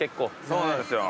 そうなんですよ。